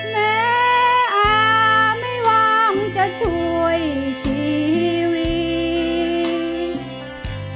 แม่อาไม่หวังจะช่วยชีวิต